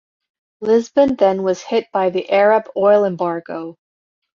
Lisbon then was hit by the Arab oil embargo.